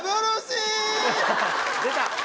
出た！